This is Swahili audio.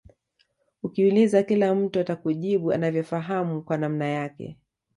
Ukiuliza kila mtu atakujibu anavyofahamu kwa namna yake